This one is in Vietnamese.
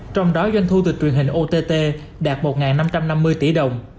trong đó doanh thu từ truyền hình ott đạt một năm trăm năm mươi tỷ đồng